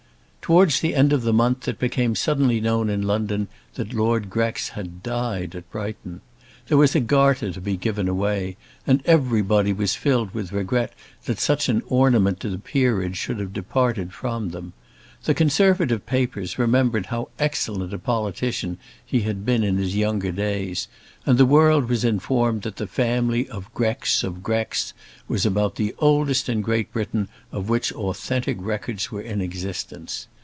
Towards the end of the month it became suddenly known in London that Lord Grex had died at Brighton. There was a Garter to be given away, and everybody was filled with regret that such an ornament to the Peerage should have departed from them. The Conservative papers remembered how excellent a politician he had been in his younger days, and the world was informed that the family of Grex of Grex was about the oldest in Great Britain of which authentic records were in existence.